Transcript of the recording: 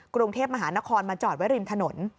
กรุงเทพมหานครมาจอดไว้ริมถนน